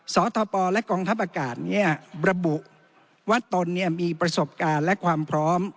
สทปและกองทัพอากาศระบุว่าตนมีประสบการณ์และความพร้อม